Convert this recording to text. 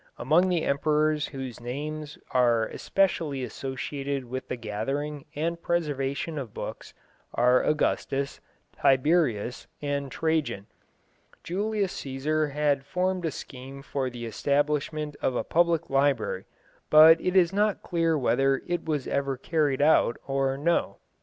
Among the emperors whose names are especially associated with the gathering and preservation of books are Augustus, Tiberius and Trajan. Julius Cæsar had formed a scheme for the establishment of a public library, but it is not clear whether it was ever carried out or no.